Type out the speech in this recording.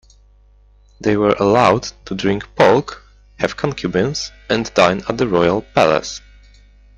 They were allowed to drink "pulque", have concubines, and dine at the royal palace.